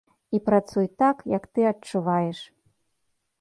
І працуй так, як ты адчуваеш.